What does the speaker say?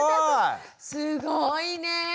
すごいね！